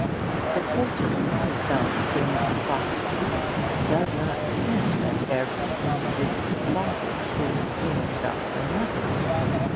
The poulterer who sells strings of sausages does not pretend that every individual sausage is in itself remarkable.